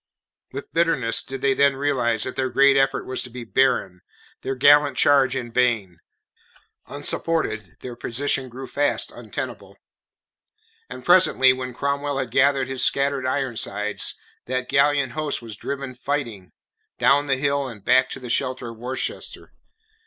With bitterness did they then realize that their great effort was to be barren, their gallant charge in vain. Unsupported, their position grew fast untenable. And presently, when Cromwell had gathered his scattered Ironsides, that gallant host was driven fighting, down the hill and back to the shelter of Worcester.